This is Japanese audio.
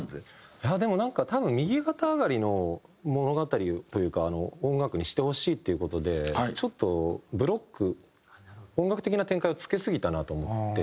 いやでもなんか多分右肩上がりの物語というか音楽にしてほしいっていう事でちょっとブロック音楽的な展開をつけすぎたなと思って。